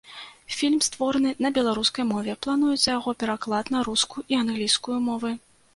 Фільм створаны на беларускай мове, плануецца яго пераклад на рускую і англійскую мовы.